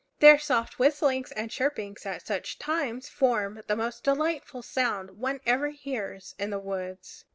Their soft whistlings and chirpings at such times form the most delightful sound one ever hears in the woods.